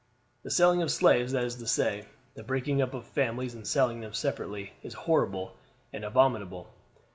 "The selling of slaves, that is to say, the breaking up of families and selling them separately, is horrible and abominable.